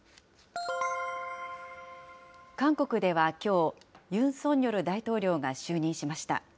韓国ではきょう、ユン・ソンニョル大統領が就任しました。